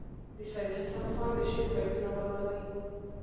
د سیدحسن خان د شعر بیتونه ولولي.